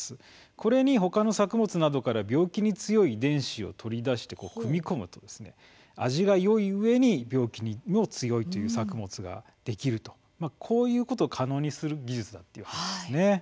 これに他の作物から病気に強い遺伝子を取り出して組み込むと味がよい病気に強いという作物ができるというこういうことを可能にする技術です。